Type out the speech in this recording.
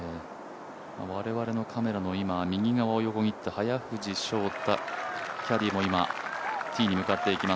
我々のカメラの右側を横切って、早藤将太キャディーも向かっていきます。